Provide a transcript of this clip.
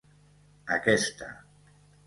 Aquesta